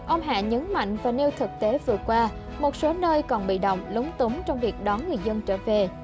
ông hạ nhấn mạnh và nêu thực tế vừa qua một số nơi còn bị động lúng túng trong việc đón người dân trở về